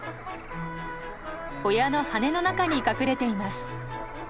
親の羽の中に隠れています。